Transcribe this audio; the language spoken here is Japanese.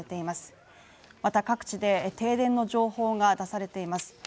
また各地で停電の情報が出されています